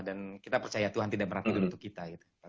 dan kita percaya tuhan tidak berarti itu untuk kita